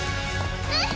うん！